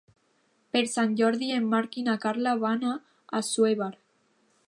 Per Sant Jordi en Marc i na Carla van a Assuévar.